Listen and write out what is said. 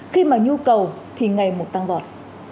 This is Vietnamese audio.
khi mà nhu cầu thì ngày một tăng vọt